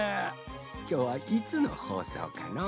きょうはいつのほうそうかのう。